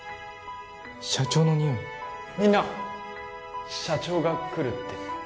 社長の匂いみんな社長が来るって